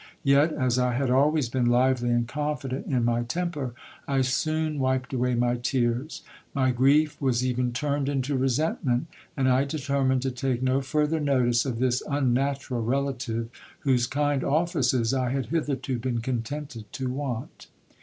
Yet, as 1 had always been lively and confident in my temper, I soon wiped away my tears. My grief was even turned into resentment, and I deter mined to take no further notice of this unnatural relative, whose kind offices I had hitherto been contented to want.